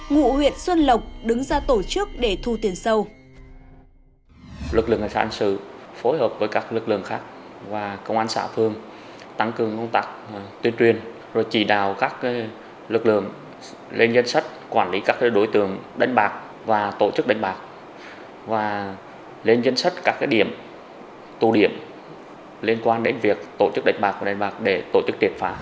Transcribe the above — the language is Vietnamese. ngụ huyện xuân lộc đứng ra tổ chức để thu tiền sâu